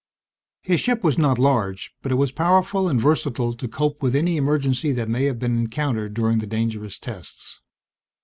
His ship was not large, but it was powerful and versatile to cope with any emergency that may have been encountered during the dangerous tests.